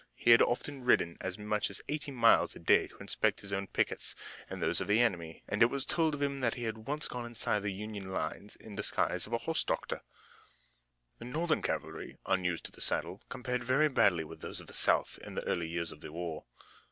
He had often ridden as much as eighty miles a day to inspect his own pickets and those of the enemy, and it was told of him that he had once gone inside the Union lines in the disguise of a horse doctor. The Northern cavalry, unused to the saddle, compared very badly with those of the South in the early years of the war.